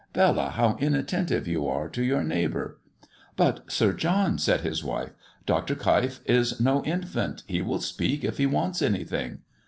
Bella, how inattentive you are to your neighbour." "But, Sir John," said his wife, "Dr. Keif is no infant. He will speak if he wants anything."